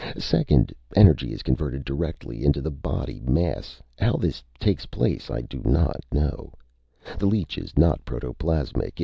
Second, energy is converted directly into the body mass. How this takes place, I do not know. The leech is not protoplasmic.